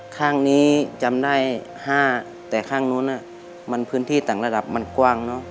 ข้างนี้จำได้๕แต่ข้างนู้นมันพื้นที่ต่างระดับมันกว้างเนอะ